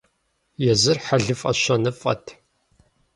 Езыр хьэлыфӀэ-щэныфӀэт.